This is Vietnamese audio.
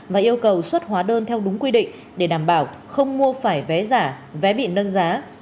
và yêu cầu xuất hóa đơn theo đúng quy định để đảm bảo không mua phải vé giả vé bị nâng giá